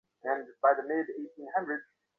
কিন্তু, সমস্যা নেই।